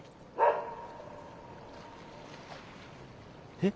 えっ？